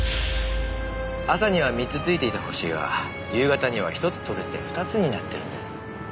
朝には３つ付いていた星が夕方には１つ取れて２つになってるんです。